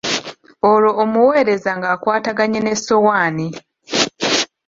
Olwo omuweereza ng'akwataganye n'essowaani.